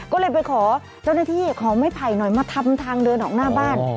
ก็เลยไปขอเจ้าหน้าที่ขอไม้ไผ่หน่อยมาทำทางเดินออกหน้าบ้าน